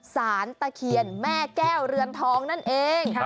ตะเคียนแม่แก้วเรือนทองนั่นเอง